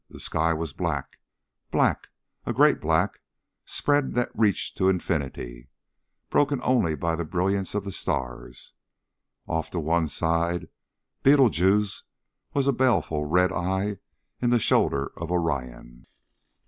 The sky was black, black, a great black spread that reached to infinity, broken only by the brilliance of the stars. Off to one side Betelgeuse was a baleful red eye in the shoulder of Orion.